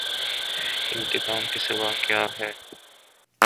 انتقام کے سوا کیا ہے۔